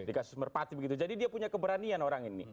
di kasus merpati begitu jadi dia punya keberanian orang ini